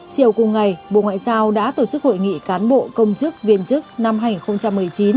chiều cùng ngày bộ ngoại giao đã tổ chức hội nghị cán bộ công chức viên chức năm hai nghìn một mươi chín